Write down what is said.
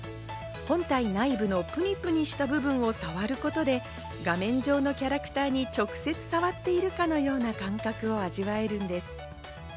本体内部のぷにぷにした部分を触ることで画面上のキャラクターに直接触っているかのような感覚を味わえるんです。